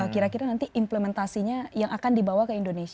kira kira nanti implementasinya yang akan dibawa ke indonesia